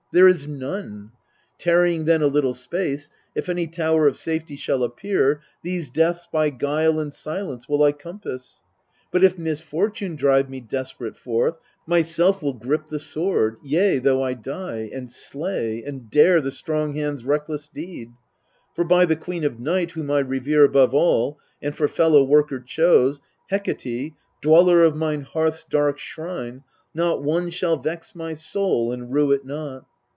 There is none. Tarrying then a little space, If any tower of safety shall appear, These deaths by guile and silence will I compass; But if misfortune drive me desperate forth, Myself will grip the sword yea, though I die And slay, and dare the strong hand's reckless deed : For, by the Queen of Night, whom I revere Above all, and for fellow worker chose, Hekate, dweller by mine hearth's dark shrine, Not one shall vex my soul, and rue it not.